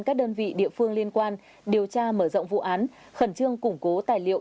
các đơn vị địa phương liên quan điều tra mở rộng vụ án khẩn trương củng cố tài liệu